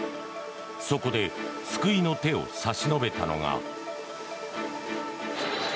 そこで救いの手を差し伸べたのが。